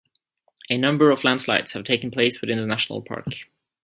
A number of landslides have taken place within the national park.